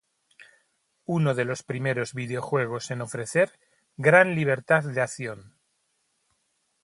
Uno de los primeros videojuegos en ofrecer gran libertad de acción.